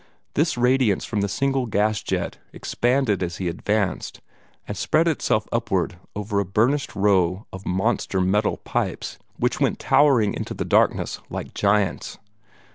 This radiance from a single gas jet expanded as he advanced, and spread itself upward over a burnished row of monster metal pipes, which went towering into the darkness like giants.